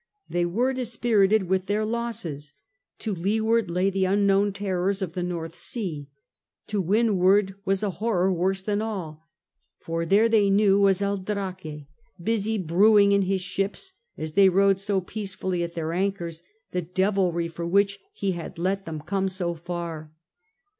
They were dispirited with their losses: to leeward lay the unknown terrors of the North Sea ; to windward was a horror worse than all. For there they knew was El Draque, busy brewing in his ships, as they rode so peacefully at their anchors, the devilry for which he had let them come so far.